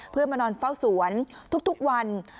เพื่อมานอนเฝ้าสวนทุกวัน